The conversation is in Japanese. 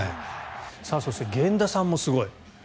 そして源田さんもすごい。